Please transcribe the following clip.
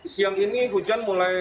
siang ini hujan mulai